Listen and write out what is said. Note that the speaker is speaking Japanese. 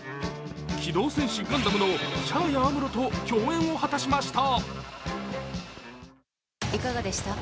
「機動戦士ガンダム」のシャアやアムロと共演を果たしました。